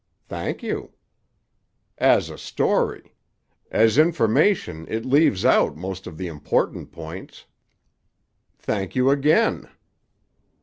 "Thank you." "As a story. As information, it leaves out most of the important points." "Thank you again."